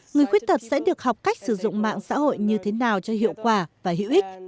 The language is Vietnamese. người khuyết tật sẽ được học cách sử dụng mạng xã hội như thế nào cho hiệu quả và hữu ích